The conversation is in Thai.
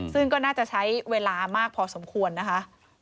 ซึ่งก็น่าจะใช้เวลามากพอสมควรนะคะ